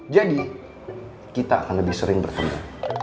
jadi kita akan lebih sering bertemu